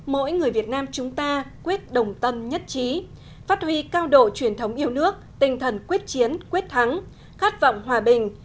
mỗi người việt nam chúng ta quyết đồng tâm nhất trí phát huy cao độ truyền thống yêu nước tinh thần quyết chiến quyết thắng khát vọng hòa bình